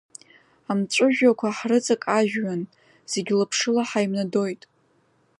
Амҵәыжәҩақәа ҳрыҵак ажәҩан, зегь лаԥшыла ҳаимнадоит.